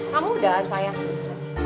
kamu udah sayang